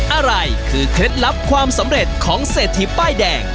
อะไรคือเคล็ดลับความสำเร็จของเศรษฐีป้ายแดง